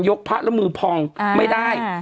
พระแล้วมือพองไม่ได้